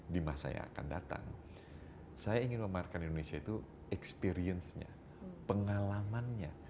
di masa yang akan datang saya ingin memamerkan indonesia itu experience nya pengalamannya